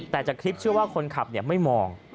แต่จากคลิปเชื่อว่าคนขับไม่มอง